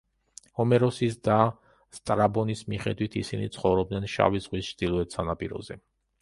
ჰომეროსის და სტრაბონის მიხედვით ისინი ცხოვრობდნენ შავი ზღვის ჩრდილოეთ სანაპიროზე.